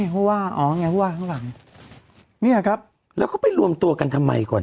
เพราะว่าอ๋อไงผู้ว่าข้างหลังเนี่ยครับแล้วเขาไปรวมตัวกันทำไมก่อน